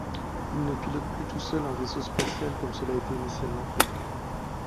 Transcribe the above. Il ne pilote plus tout seul un vaisseau spatial comme cela était initialement prévu.